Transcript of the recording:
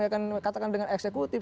yang dikatakan dengan eksekutif